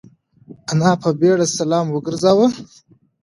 انا په بيړه سلام وگرځاوه.